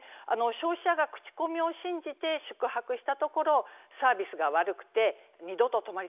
消費者が口コミを信じて宿泊したところサービスが悪くて「二度と泊まりたくないと思った」ですとか